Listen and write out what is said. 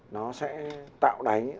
nó sẽ tạo đáy